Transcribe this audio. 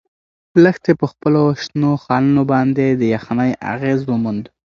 لښتې په خپلو شنو خالونو باندې د یخنۍ اغیز وموند.